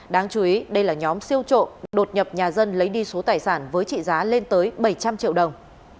đáng chú ý đây là nhóm siêu trộm đột nhập nhà dân lấy đi số tài sản với trị giá lên tới bảy trăm linh triệu đồng